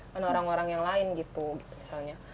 dan orang orang yang lain gitu misalnya